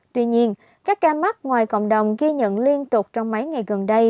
tuy nhiên các ca mắc ngoài cộng đồng ghi nhận liên tục trong mấy ngày gần đây